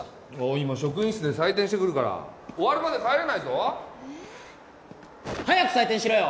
今職員室で採点してくるから終わるまで帰れないぞ早く採点しろよ！